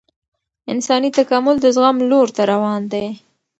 انساني تکامل د زغم لور ته روان دی